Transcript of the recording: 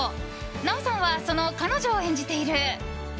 奈緒さんはその彼女を演じている。